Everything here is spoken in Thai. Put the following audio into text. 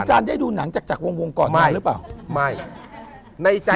อาจารย์ได้ดูหนังจักจักวงก่อนหนังหรือเปล่า